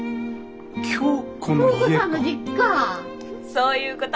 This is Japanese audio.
そういうこと。